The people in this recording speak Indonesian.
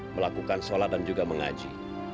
melakukan sholat dan juga mengaji